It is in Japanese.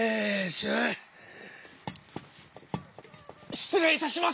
失礼いたします。